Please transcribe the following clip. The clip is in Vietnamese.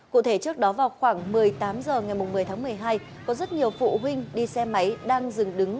cụ thể trước đó vào khoảng một mươi tám h ngày một mươi tháng một mươi hai có rất nhiều phụ huynh đi xe máy đang dừng đứng